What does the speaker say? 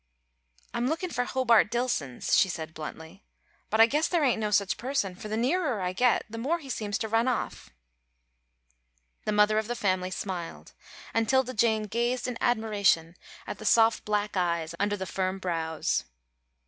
"I'm lookin' for Hobart Dillson's," she said, bluntly, "but I guess there ain't no such person, for the nearer I get the more he seems to run off." The mother of the family smiled, and 'Tilda Jane gazed in admiration at the soft black eyes under the firm brows.